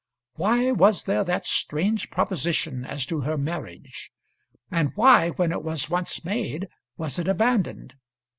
Why was there that strange proposition as to her marriage; and why, when it was once made, was it abandoned?